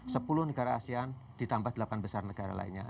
sepuluh negara asean ditambah delapan besar negara lainnya